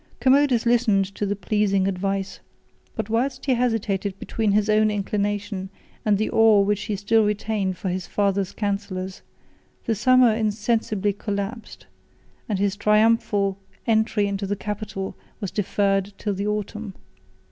10 Commodus listened to the pleasing advice; but whilst he hesitated between his own inclination and the awe which he still retained for his father's counsellors, the summer insensibly elapsed, and his triumphal entry into the capital was deferred till the autumn.